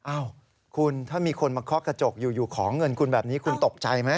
อ้าวคุณถ้ามีคนมาเคาะกระจกอยู่ขอเงินคุณแบบนี้คุณตกใจไหม